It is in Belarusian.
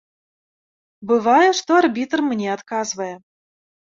Бывае, што арбітр мне адказвае.